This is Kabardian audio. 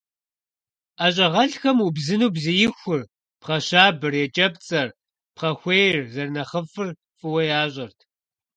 ӀэщӀагъэлӀхэм убзыну бзиихур, пхъэщабэр, екӀэпцӀэр, пхъэхуейр зэрынэхъыфӀыр фӀыуэ ящӀэрт.